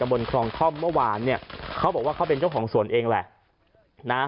บนครองท่อมเมื่อวานเนี่ยเขาบอกว่าเขาเป็นเจ้าของสวนเองแหละนะ